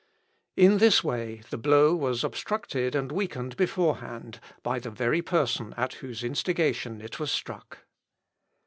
In this way, the blow was obstructed and weakened before hand by the very person at whose instigation it was struck.